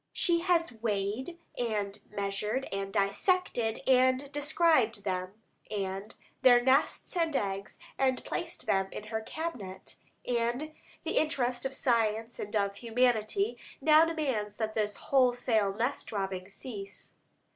She has weighed and measured, and dissected, and described them, and their nests, and eggs, and placed them in her cabinet; and the interest of science and of humanity now demands that this wholesale nest robbing cease.